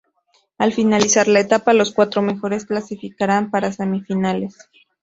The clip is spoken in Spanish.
Al finalizar la etapa los cuatro mejores clasificarán para semifinales.